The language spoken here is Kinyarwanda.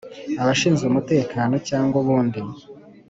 Abashinzwe umutekano cyangwa ubundi